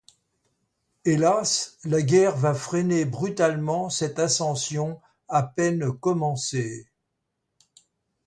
Hélas la guerre va freiner brutalement cette ascension à peine commencée.